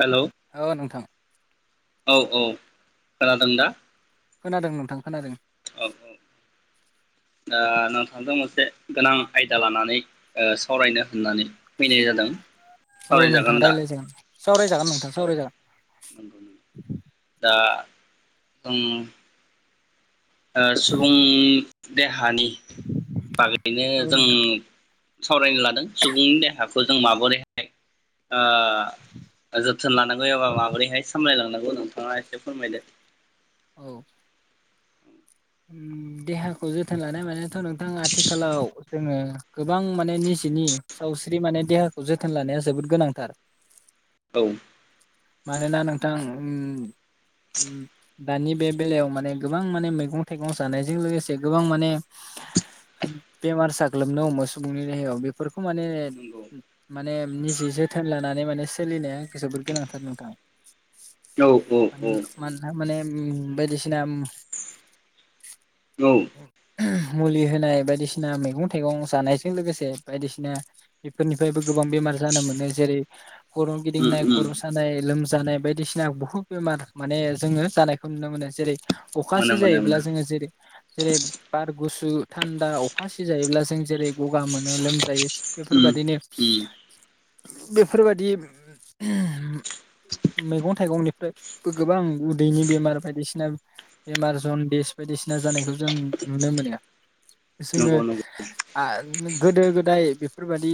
हेल' औ । औ खोनादों दा? खोनादों नोंथां खोनादों। औ दा नोंथांजों मोनसे गोनां आयदा लानानै ओ सावरायनो होननानै फैनाय जादों औ नोंथां सावरायजागोन दा रायज्लायजागोन सावरायजागोन नोंथां औ सावरायजागोन [inaudible] दा ओम । ओ सुबुं देहा हानि बागैनो औ जों नोंथां सावरायनो लादों सुबुंनि देहाखौ जों माबोरैहाय आ आ जोथोन लानांगौ एबा माबोरैहाय सामलायलांनांगौ [unintelligible] नोंथाङा एसे फोरमायदो । औ । देहाखौ जोथोन लानाय मानेथ' नोंथां आथिखालाव जोङो गोबां माने निजेनि सावस्रि माने देहाखौ जोथोन लानाया जोबोद गोनांथार । औ । मानोना नोंथां उम उम । दानि बे बेलायाव माने गोबां माने मैगं थाइगं जानायजों लोगोसे गोबां माने बेमार साग्लोबनो हमो सुबुंनि देहायाव बेफोर खौ माने नंगौ माने निजे जोथोन लानानै माने सोलिनाया जोबोर गोनांथा थार नोंथां । औ औ औ। माने उम बायदिसिना उम औ। मुलि होनाय बायदिसिना मैगं थाइगं जानायजों लोगोसे बायदिसिना बेफोरनिफ्रायबो गोबां बेमार जानो मोनो जेरै खर' उम गिदिंनाय उम खर' सा लोमजानाय बायदिसिना बहुत बेमार माने जोङो जानायखौ नुनो मोनो जेरै मोनो अखासि मोनो जायोब्ला मोनो जोङो जेरै जेरै बार गुसु थान्दा अखा सिजायोब्ला जों जेरै गगा मोनो लोमजायो उम बेफोरबादिनो उम बेफोरबादि मैगं थाइगंनिफ्रायबो गोबां उदैनि बेमार बायदिसिना बेमार जनदिस बायदिसिना जानायखौ जों नुनो मोनो जोङो नंगौ नंगौ गोदो गोदाय बेफोरबादि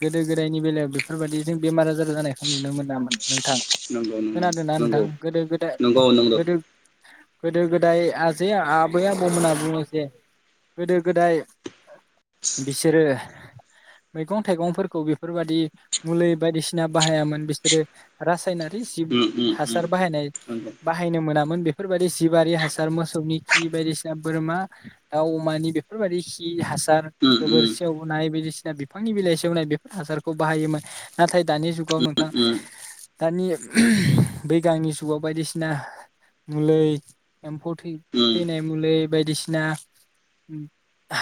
गोदो गोदायनि बेलायाव बेफोरबायदि जों बेमार आजार जानायखौ नुनो मोना नामोन नोंथां नंगौ खोनादों ना नंगौ नोंथां? गोदो गोदाय नंगौ नंगौ गोदो गोदो गोदाय आजै आबै आबौमोनहा बुङो जे गोदो गोदाय बिसोरो मैगं थाइगंफोरखौ बेफोरबायदि मुलि बायदिसिना बाहायामोन बिस सोरो रासायनारि जिब हासार बाहायनाय नंगौ बाहायनो मोनामोन बेफोरबायदि जिबि हासार मोसौनि खि बायदिसिना बोरमा दाउ अमानि बेफोरबायदि खि रो हासार उम उम नंगौ उम गोबोर उम सेवनाय बायदिसिना बिफांनि बिलाइ सेवनाय बेफोर हासारखौ बाहायोमोन नाथाय दानि जुगाव नोंथां दानि बैगानिग जुगाव बायदिसिना मुलै एम्फौ उम थैनाय मुलि बायदिसिना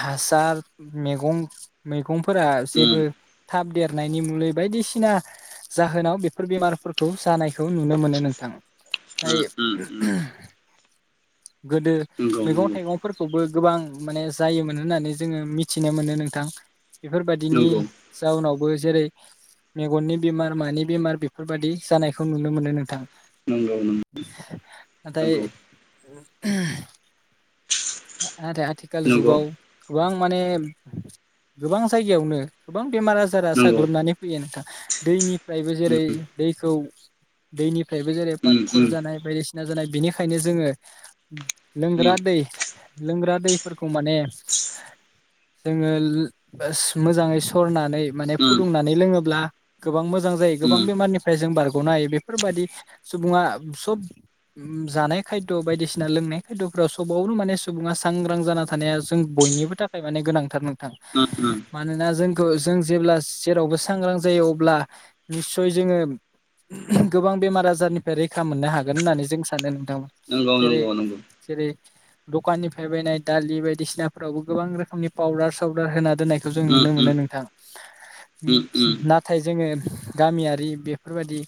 हासार मेगं मैगं फोरा जेबो थाब देरनायनि मुलै बायदिसिना जाहोनाव बेफोर बेमारफोरखौ जानायखौ नुनो मोनो नोंथां। नाथाय उम गोदो उम नंगौ मैगं नंगौ थाइगंफोरखौबो गोबां माने जायोमोन होननानै जोङो मिथिनो मोनो नोंथां। बेफोरबायदिनि नंगौ जाउनाव बो जेरै मेगननि बेमार खोमानि बेमार बेफोरबायादि जानायखौ नुनो मोनो नोंथां। नंगौ नाथाय नंगौ नाथाय आथिखाल नंगौ जुगाव गोबां माने गोबां जायगायावनो गोबां बेमार आजारा नंगौ साग्लोबनानै फैयो नोंथां। दैनिफ्रायबो उम जेरै दैखौ दैनिफ्रायबो जेरै उम पातर उम जानाय बायदिसिना सिना जानाय बेनिखायनो जोङो उम उम लोंग्रा दै लोंग्रा दैफोर खौ माने जोङो लो मोजाङै सरना नै माने उम फुदुंनानै लोङोब्ला गोबां मोज मोजां जायो गोबां उम बेमारनिफ्राय जों बारग गनो हायो। फोरखौ नायो बेफोर बादि सुबुङा सोब जानाय खायद' बायदिसिना लोंनाय खायद'फोराव सबावनो माने सुबुंङा सांग्रां जाना थानाया जों बयनिबो थाखाय माने गोनांथार नों थां। नंगौ मानोना जों जों जेब्ला जेरावबो सांग्रां जायो अब्ला निस्सय जोंङो गोबां बेमार आजारनिफ्राय रैखा मोननो हागोन होननानै जों सानो नो जेरै नंगौ नंगौ जेरै दखाननिफ्राय बायनाय दालि बायदिसिनाफोरावबो गोबां रोखोमनि पाउदार सावउदार होना दो दोननायखौ जों उम नुनो मोनो नोंथां उम उम नाथाय जोंङो गामियारि बेफोर बादि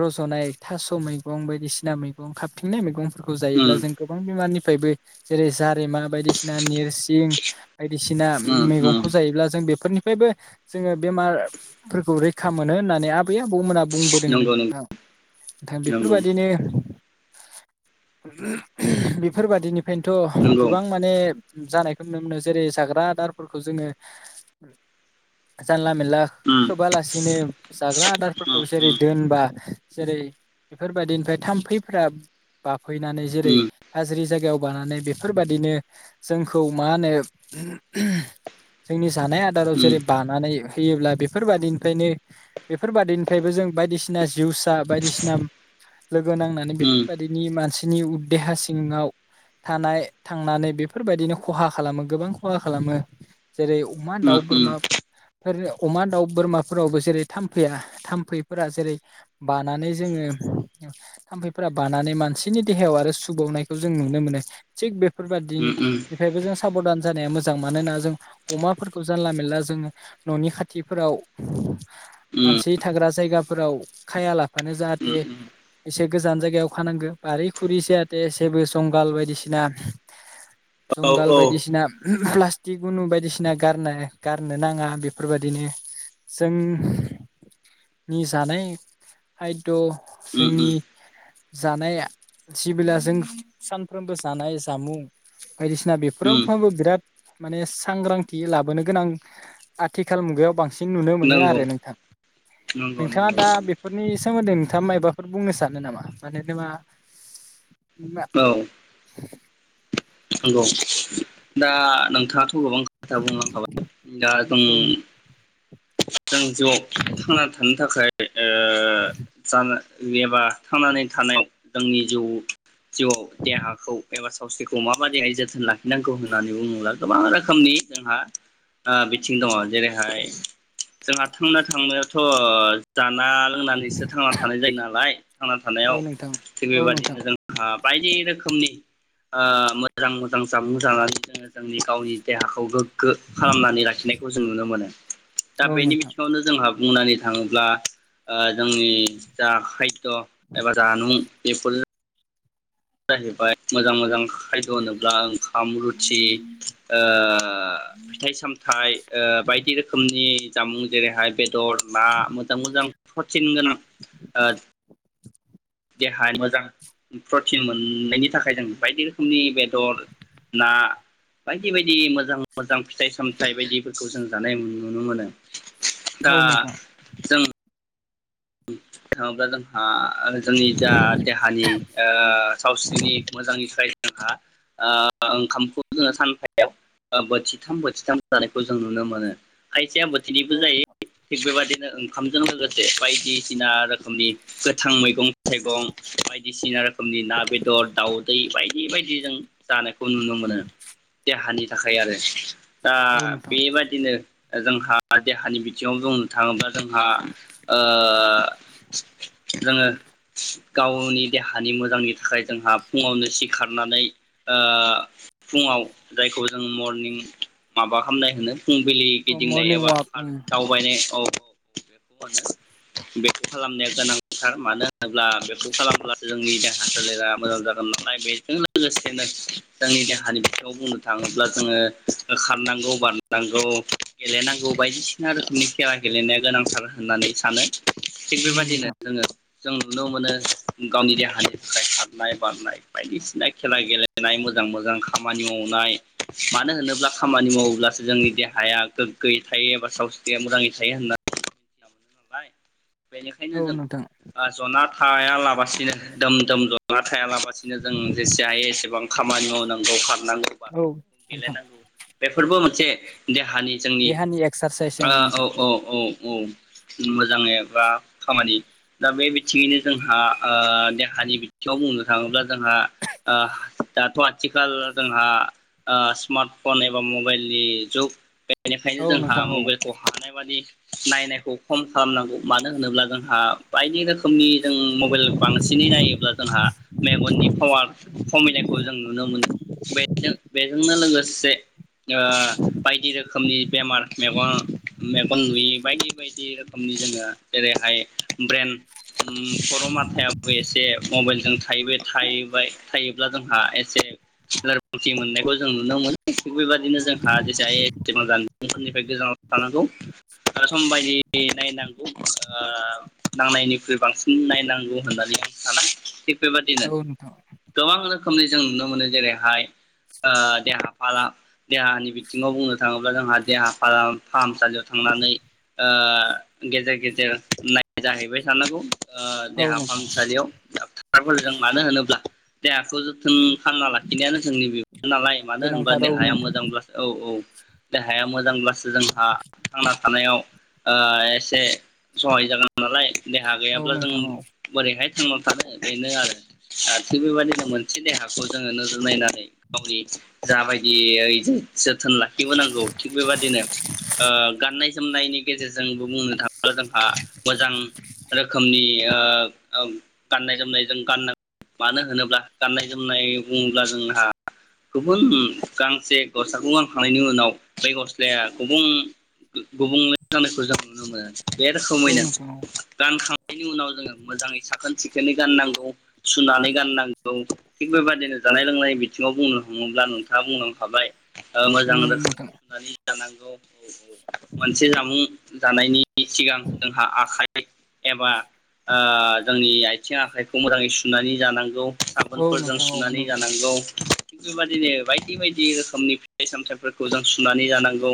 रजनाय थास' मैगं बायदिसिना मैगं खाबथिंनाय मैगं फोरखौ जायोब्ला उम जों गोबां बेमारनि फायबो जेरै जारेमा बायदिसिना निरसिं बायदिसिना उम मैगंखौ जायोब्ला जों बेफोरनि फायबो जोंङो बेमारफोरखौ रैखा मोनो होननानै आबै बबौमोना बुंबोदों नंगौ नंगौ नोंथा ओनथां बेफोर नंगौ बादिनो बेफोर बायदिनि फायनथ नंगौ गोबां माने जानायखौ नुनो मोनो जेरै जाग्रा आदारफोरखौ जोंङो जानला मेनला उम खोबालासिनो जाग्रा आदारफोरखौ उम उम जेरै दोनबा जेरै बेफोर बायदिनिफ्राय थामफैफ्रा बाफ फैनानै उम उम जेरै गाज्रि जायगायाव बानानै बेफोर बादिनो जोंखौ मा होनो जोंनि जानाय आदाराव उम जेरै बानानै फैयोब्ला बेफोर बादिनिफ्रायनो बेफोर बादिनिफायबो जोङो बायदिसना जिवसा बायदिसिना लोगो नांनानै बेफोर बादिनिनि मानसि नि उ देहा सिंङाव थानाय थांनानै बेफोरबायदिनो खहा खालामो गोबां खहा खालामो जेरै अमा दाउ उम बोरमाफोर अमा दाउ बोरमाफोरावबो जेरै थामफैया थाम्फैफोरा जेरै बानानै जोंङो थाम्फैफोरा बानानै मानसिनि देहायाव आरो सुबावनायखौ जों नुनो मोनो थिग बे उम बेफोरबायादिनिफ्रायबो जों साबधान जानाया मोजां मानोना जों अमाफोरखौ जानला मोनला जों ननि खाथिफोराव मानसि थाग्रा जायगाफोराव खाया लाफानो उम जाहाथे एसे गोजान जायगायाव खानांगौ फारि खुलि जाहाथे जेबो जंगाल बायदिसिना औ जुंगाल औ बायदिसिना प्लास्टिक गुनु बायदिसिना गारना गारनो नांङा बेफोरबायदिनो जोंनि जानाय खायद जोंनि उम-उम जानाय सिबिला जों सानफ्रोमबो जानाय जामुं बायदिसिना उम बेफोरावफ्रामबो बिराद माने सांग्रांथि लाबोनो गोनां आथिखाल मुगायाव बांसिन बांसिन नुनो मोनो नंगौ आरो नोंथां नंगौ नोंथाङा नंगौ दा बेफोरनि सोमोन्दै थाङा माबाफोर बुंनो सानो नामा माने [inaudible] औ नंगौ दा नोंथाङा खौ गोबां खोथा बुंलांखाबाय दा जों औ जों जिउआव थांनानै थानो थाखाय ओ जा एबा थांनानै थानायाव जोंनि जिउ जिउआव देहाखौ एबा सावस्रिखौ माबादिहाय जोथोन लाखिनांगौ होननानै बुङोब्ला गोबां रोखोमनि जोंहा बिथिं दङ जेरैहाय जोंहा थांना थांनायावथ' जा ना लोंनानैसो थांना थानाय जायो नालाय थांना थानायाव औ नोंथां थिग औ नोंथां बेबायदिनो जोंहा बायदि रोखोमनि। ओ मोजां मोजां जामुं जानानै जोङो जोंनि गावनि देहाखौ गोग्गो खालामनानै लाखिनायखौ जों नुनो मोनो। दा औ बेनि नोंथां बिथिङावनो जोंहा बुंनानै थाङोब्ला ओ जोंनि जा खा द' एबा जामुं बे फुल जाहैबाय मोजां मोजां खायद' होनोब्ला ओं खाम, रुथि, ओ फिथाइ-सामथाइ ओ बायदि रोखोम खोमनि जामुं जेरैहाय बे दर ना मोजां-मोजां प्रतिन गोनां ओ देहा मोजां प्रटिन मोननायनि थाखाय जों बायदि रोखोमनि बेदर ना बायदि बायदि मोजां मोजां फिथाइ सामथाइ बायदिफोरखौ जों जानाय नुनो मोनो। दा औ नोंथां जों नंआब्ला जोंहा जोंनि जा देहानि ओ सावस्रिनि मोजांनिफ्राय जोंहा ओंखामखौ जोङो सानफायाव बोथिथाम बोथिथाम जानायखौ जों नुनो मोनो खाय सेया बोथिनैबो औ नोंथां जायो थिग बेबादिनो ओंखामजों लोगोसे बायदिसिना रोखोमनि गोथां मैगं-थाइगं बायदिसिना रोखोमनि ना बेदर दाउदै बायदि-बायदि जों जानायखौ नुनो मोनो देहानि थाखाय आरो। दा औ नोंथां बेबादिनो जोंहा देहानि बिथिङाव बुंनो थाङोब्ला जोंहा ओ जोङो गावनि देहानि मोजांनि थाखाय जोंहा फुङावनो सिखारनानै ओ फुङाव जायखौ जों मरनिं माबा खालामनाय होनो फुंबिलि औ गिदिंनाय मरनिं एबा वाक उम पार्क दावबायनाय औ [unintelligible] बेखौ खालामनाया गोनांथार मानो होनोब्ला बेखौ खालामब्ला जोंनि देहा सोलेरा मोजां जागोन नालाय बेजों लोगोसेनो जोंनि देहानि बिथिङाव बुंनो थाङोब्ला जोङो खारनांगौ, बारनांगौ, गेलेनांगौ बायदिसिना रोखोमनि खेला गेलेनाया गोनांथार होननानै स सानो थिग उम बेबादिनो नोंथां जोङो जों नुनो मोनो गावनि देहानि थाखाय खारनाय-बारनाय बायदिसिना खेला गेलेनाय मोजां-मोजां खामानि मावनाय मानो होनोब्ला खामानि मावोब्लासो जोंनि देहाया गोग्गोयै थायो एबा सावस्रिया मोजाङै थायो होनना बाय बेनिखायनो औ जों नोंथां ओ जनार खायालाबासिनो दोम-दोम ज'ना थायालाबसिनो जों जेसे हायो एसेबां खामानि मावनांगौ खा खारनांगौ औ बारनांगौ नोंथां गेलेनांगौ बेफोरबो मोन से देहा देहानि जोंनि देहानि एक्सारसाइस ओं ओ नोंथां औ औ औ औ मोजाङै एग्रा खामानि दा बे बिथिङैनो जोंहा ओ देहानि बिथिङाव बुंनो थाङोब्ला जोंहा ओह दाथ' आथिखाल जोंहा ओ स्मार्ट फन एबा मबेइलनि जुग बे बेनिखायनो औ जोंहा नोंथां औ मबेइलखौ हानाय बादि नायनायखौ खम खालामनांगौ मानो होनोब्ला जोंहा बायदि रोखोमनि जों मबेइल बांसिनै नायोब्ला जोंहा मेगननि पावार खमिनायखौ जों नुनो मोनो। बेजों बे जोंनो लोगोसे ओ बायदि रोखोमनि बेमार मेगन मेगन नुयि बायदि बायदि दि रोखोमनि जोङो जेरैहाय ब्रेन उम खर' माथायाबो एसे मबेइलजों थायो बे थायोब्ला जोंहा एसे लोरबांथि मोननायखौ जों नुनो मोनो। थिग बेबायदिनो जोंहा जेसेजफोरनिफ्राय गोजानाव थानांगौ सम बायदि नायनांगौ ओ नांनायनिख्रुइ बांसिन नायनांगौ होननानै आं साना बे बेबादिनो औ नोंथां गोबां रोखोमनि जों नुनो मोनो जेरैहाय ओ देहा फाला देहानि बिथिङाव बुंनो थाङोब्ला जोंहा देहा फाला फाहामसालियाव थांनानै ओ गेजेर-गेजेर नायजाहैबाय थानांगौ। ओ औ देहा नोंथां फाहामसालियाव डाक्टरफोरजों मानो होनोब्ला देहाखौ जोथोन फानना लाखिनायानो जोंनि बिबान नालाय मानो होनोबा गोनांथार औ देहाया नोंथां मोजांब्लासो औ औ देहाया मोजांब्लास जोंहा थांना आनायाव ओ एसे सहाय जागोन नालाय देहा औ गैयाब्ला जों नोंथां औ बोरैहाय थांना थानो बेनो आरो थिग बेबायदिनो मोनसे देहाखौ जोङो नोजोर नायनानै गावनि जाबायदि ओइ जोथोन लाखिबोनांगौ थिग बेबायाददिनो ओ गाननाय जोमनायनि गेजेरजोंबो बुंनो थाङोब्ला जोंहा मोजां रोखोमनि ओ गाननाय जोमनाय जों गान मानो होनोब्ला गाननाय जोमनाय बुङोब्ला जोंहा गुबुन गांसे गस्लाखौ गानखांनायनि उनाव बे गस्लाया गुबन [unintelligible] जानायखौ जों नुनो मोनो। बे औ रोखोमैनो नोंथां औ गानखां बेनि उनाव जोङो मोजाङै साखोन सिखोनै गाननांगौ सुनानै गाननांगौ थिग बेबायदिनो जानाय लोंनाय बिथिङाव बुंनो थाङोब्ला नोंथाङा बुंलांखाबाय ओ मोजां उम रोखोमै नोंथां सुनानै जानांगौ औ [inaudible] मोनसे जामुं जानायनि सिगां जोंहा आखाइ एबा ओ जोंनि आयथिं आखाइखौ मोजाङै सुनानै जानांगौ। औ साबोनफोरजों नोंथां औ सुनानै जानांगौ। थिग बेबादिनो बायदि बायदि रोखोमनि फिथाइ सामथायाइफोरखौ जों सुनानै जानांगौ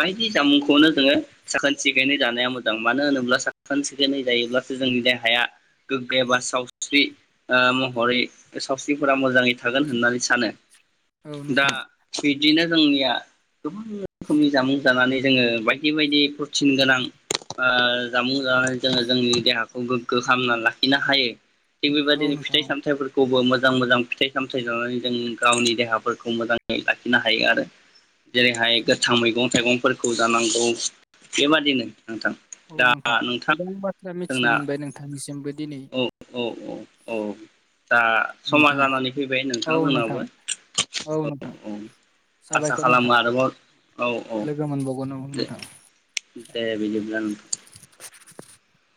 बायदि जामुंखौनो जोङो साखोन सिखोनै जानाया मोजां मानो होनोब्ला साखोन सिखोनै जायोब्लासो जोंनि देहाया गोग्गो एबा सावस्रि ओ महरै सावस्रिफोरा ओ मोजाङै थागोन होननानै सानो। दा नोंथां थि बिदिनो जोंनिया गोबां रोखोमनि जामुं जानानै जोङो बायदि बिबायदि थिनगोनां ओ जामुं जानानै जोङो जोंनि देहाखौ गोग्गो खालामनानै लाखिनो हायो। थिग औ नोंथां औ बेबायदिनो नोंथां फिथाइ औ सामथायाइफोरखौबो मो मोजां मोजां फिथाइ सामथाइ जानानै जों गावनि देहाफोरखौ मोजाङै लाखिनो हायो आरो जेरैहाय गोथां मैगं थाइगंफोरखौ जानांगौ‌। बेबादिनो औ नोंथां गोबां बाथ्रा मिथिनो जोंना मोनबाय नोंथांनिसिमबो दिनै औ औ औ औ दा समा नोंथां जानानै फैबाय नोंथां जोंनाबो औ औ आसा साबायखर खालामो नोंथां आरोबाव औ औ औ लोगो मोनबावगोन औ दे नोंथां दे बिदिब्ला नोंथां। [unintelligible]